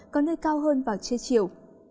có nơi cao hơn vào trưa chiều